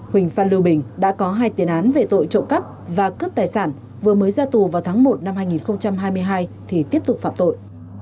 huỳnh phan lưu bình đã có hai tiền án về tội trộm cắp và cướp tài sản vừa mới ra tù vào tháng một năm hai nghìn hai mươi hai thì tiếp tục phạm tội